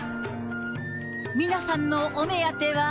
皆さんのお目当ては。